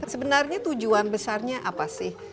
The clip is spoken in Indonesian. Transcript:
sebenarnya tujuan besarnya apa sih